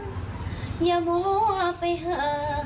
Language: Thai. พี่น้ำอย่ามั่วไปเหอะ